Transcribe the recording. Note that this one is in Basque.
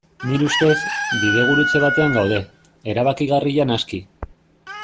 Nire ustez, bidegurutze batean gaude, erabakigarria naski.